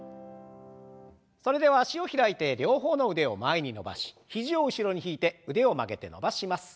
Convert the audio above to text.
それでは脚を開いて両方の腕を前に伸ばし肘を後ろに引いて腕を曲げて伸ばします。